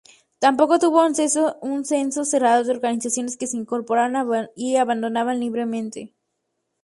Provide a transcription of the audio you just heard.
Tampoco tuvo un censo cerrado de organizaciones, que se incorporaban y abandonaban libremente.